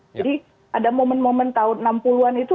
jadi ada momen momen tahun enam puluh an itu